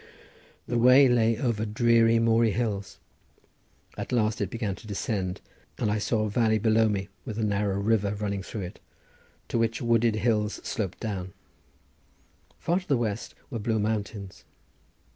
The way lay over dreary, moory hills: at last it began to descend and I saw a valley below me with a narrow river running through it to which wooded hills sloped down; far to the west were blue mountains.